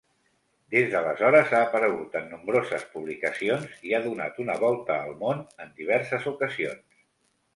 Des d'aleshores ha aparegut en nombroses publicacions, i ha donat una volta al món en diverses ocasions.